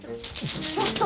ちょっと。